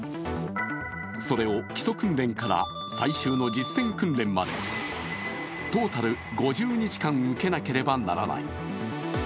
それを基礎訓練から最終の実戦訓練までトータル５０日間、受けなければならない。